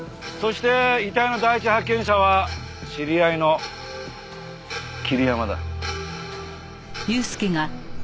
そして遺体の第一発見者は知り合いの桐山だ。